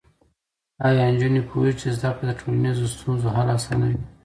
ایا نجونې پوهېږي چې زده کړه د ټولنیزو ستونزو حل اسانوي؟